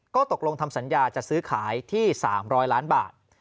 ก็ตกลงทำสัญญาจะซื้อขายที่๓๐๐ล้านบาท